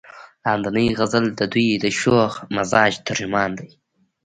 لاندينے غزل د دوي د شوخ مزاج ترجمان دے ۔